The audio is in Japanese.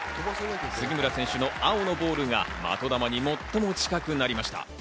杉村選手の青のボールが的球に最も近くなりました。